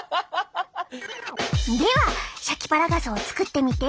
ではシャキパラガスを作ってみて！